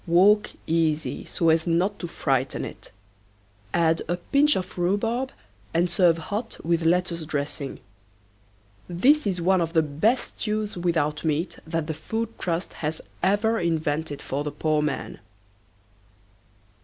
Walk easy so as not to frighten it. Add a pinch of rhubarb and serve hot with lettuce dressing. This is one of the best stews without meat that the Food Trust has ever invented for the poor man.